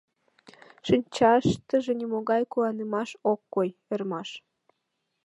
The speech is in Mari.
Шинчаштыже нимогай куанымаш ок кой, ӧрмаш.